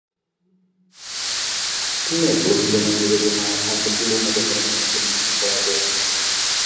Quina és la millor manera d'anar a Santa Coloma de Gramenet amb bicicleta?